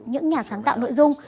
những nhà sáng tạo nội dung